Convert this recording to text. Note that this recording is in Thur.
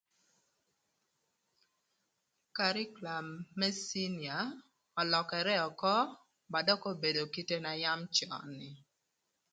Karikulam më cinia ölökërë ökö, ba dökï obedo kite na yam cön.